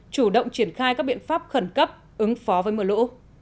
chủ động triển khai các biện pháp khẩn cấp ứng phó với mưa lũ